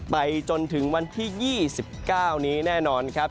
ไปจนถึงวันที่๒๙นี้แน่นอนครับ